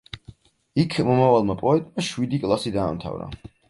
იქ მომავალმა პოეტმა შვიდი კლასი დაამთავრა.